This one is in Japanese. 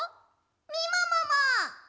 みももも。